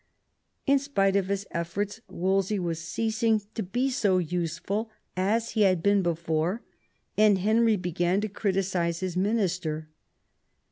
In spite of his efforts Wolsey was ceasing to be so useful as he had been before, and Henry began to criticise his minister.